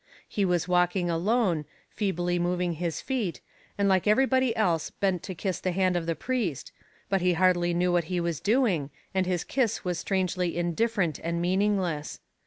He was walking alone, feebly moving his feet, and like everybody else bent to kiss the hand of the priest, but he hardly knew what he was doing, and his kiss was strangely indifferent and meaningless.